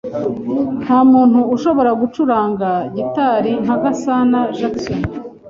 Nta muntu ushobora gucuranga gitari nka Gasana Jackson.